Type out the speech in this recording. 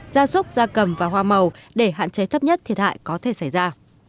ra súc ra cầm và hoa màu để hạn chế thấp nhất thiệt hại có thể xảy ra